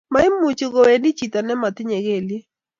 Maimuchi kowendi vhito ne matinye keliek